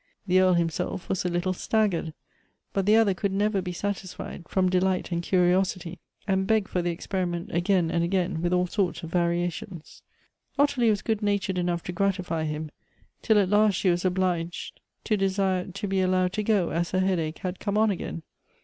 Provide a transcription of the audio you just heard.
The Earl himself was a little staggered ; but the other could never be satisfied, from delight and curiosity, and begged for the experiment again and again with all sorts of variations. Ottilie was good natured enough to grat ify him ; till at last she was obliged to desire to be allowed to go, as her headache had come on again.